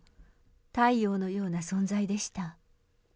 太陽のような存在でした。